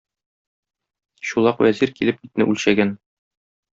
Чулак вәзир килеп итне үлчәгән.